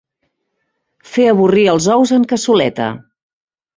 Fer avorrir els ous en cassoleta.